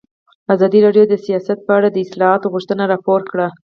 ازادي راډیو د سیاست په اړه د اصلاحاتو غوښتنې راپور کړې.